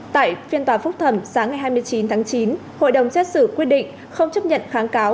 tại phiên tòa phúc thẩm sáng ngày hai mươi chín tháng chín hội đồng xét xử quyết định không chấp nhận kháng cáo